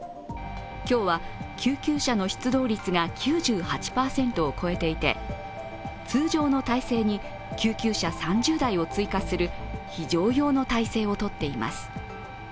今日は救急車の出動率が９８％を超えていて通常の体制に救急車３０台を追加する非常用の態勢を取っています。